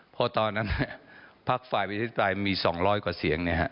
เพราะตอนนั้นภาคฝ่ายประเทศปลายมีสองร้อยกว่าเสียงเนี่ยฮะ